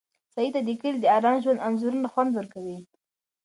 سعید ته د کلي د ارام ژوند انځورونه خوند ورکوي.